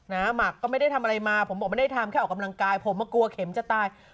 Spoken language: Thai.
หมักก็ไม่ได้ทำอะไรมาผมบอกไม่ได้ทำแค่ออกกำลังกายผมมากลัวเข็มจะตาย